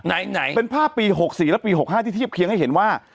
ไหนไหนเป็นภาพปี๖๔และปี๖๕ที่เทียบเคียงให้เห็นว่า